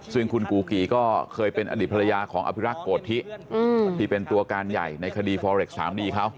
ซึ่งคุณกูกี่ก็เคยเป็นอดีตภรรยาของอภิรักษ์โกธิที่เป็นตัวการใหญ่ในคดีฟอเรคสามีเขา